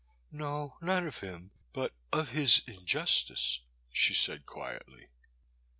No, not of him, but of his injustice," she said quietly.